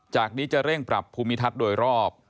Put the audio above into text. จากนี้จะเร่งปรับภูมิทัศน์โดยรอบ